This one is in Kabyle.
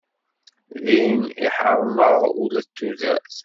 Ddin iḥeṛṛem-aɣ ula d tudert.